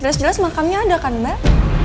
jelas jelas makamnya ada kan mbak